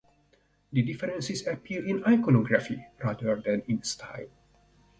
The differences appear in iconography rather than in style.